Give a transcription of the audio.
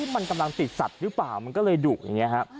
มันกำลังติดสัตว์หรือเปล่ามันก็เลยดุอย่างนี้ฮะ